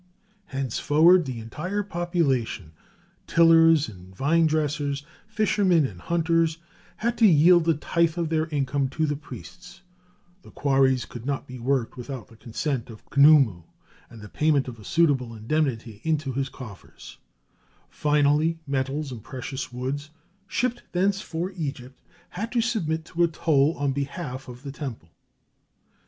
Henceforward the entire population, tillers and vinedressers, fishermen and hunters, had to yield the tithe of their income to the priests; the quarries could not be worked without the consent of Khnumu, and the payment of a suitable indemnity into his coffers; finally, metals and precious woods, shipped thence for Egypt, had to submit to a toll on behalf of the temple.